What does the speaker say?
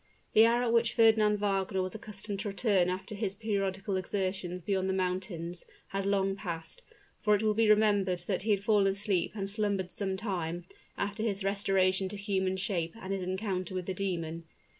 The hour at which Fernand Wagner was accustomed to return after his periodical excursions beyond the mountains, had long passed; for it will be remembered that he had fallen asleep and slumbered some time, after his restoration to human shape and his encounter with the demon.